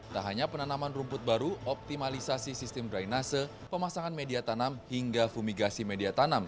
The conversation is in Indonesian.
tak hanya penanaman rumput baru optimalisasi sistem drainase pemasangan media tanam hingga fumigasi media tanam